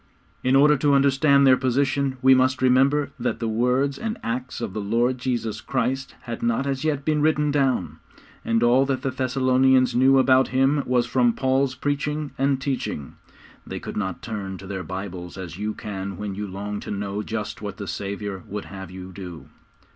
In order to understand their position we must remember that the words and acts of the Lord Jesus Christ had not as yet been written down, and all that the Thessalonians knew about Him was from Paul's preaching and teaching. They could not turn to their Bibles as you can when you long to know just what the Saviour would have you do.